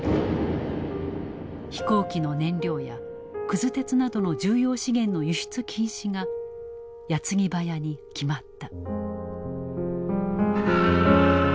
飛行機の燃料やくず鉄などの重要資源の輸出禁止が矢継ぎ早に決まった。